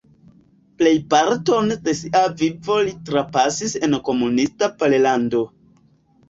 Plejparton de sia vivo li trapasis en komunista Pollando.